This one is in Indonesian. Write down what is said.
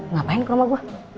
ngapain ke rumah gue